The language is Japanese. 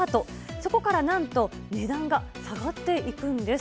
そこからなんと値段が下がっていくんです。